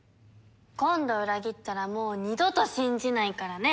今度裏切ったらもう二度と信じないからね！